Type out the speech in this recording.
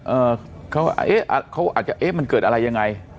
เอ่อเขาเอ๊ะเขาอาจจะเอ๊ะมันเกิดอะไรยังไง